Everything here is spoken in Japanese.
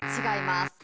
違います。